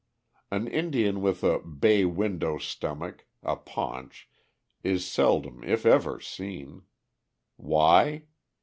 ] An Indian with a "bay window" stomach, a paunch, is seldom, if ever seen. Why?